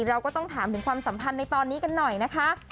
เราก็ต้องถามถึงความสัมพันธ์ในตอนนี้กันหน่อยนะคะ